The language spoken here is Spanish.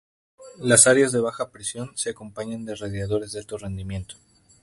Las áreas de baja presión se acompañan de radiadores de alto rendimiento.